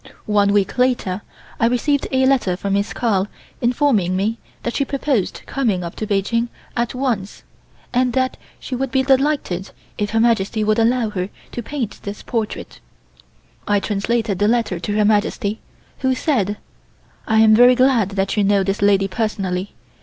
One week later I received a letter from Miss Carl informing me that she proposed coming up to Peking at once, and that she would be delighted if Her Majesty would allow her to paint this portrait. I translated the letter to Her Majesty, who said: "I am very glad that you know this lady personally.